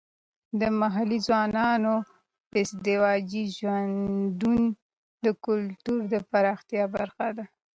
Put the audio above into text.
د محلي ځوانانو ازدواجي ژوندونه د کلتور د پراختیا برخه ده.